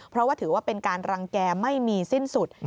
เพราะว่าถือว่าเป็นการรังแก่ไม่มีสิ้นสุด